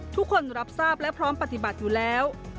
ทุกคนรับทราบและพร้อมปฏิบัติอยู่แล้ว